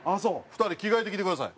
２人着替えてきてください。